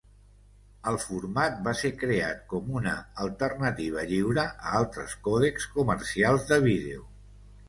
El format va ser creat com una alternativa lliure a altres còdecs comercials de vídeo.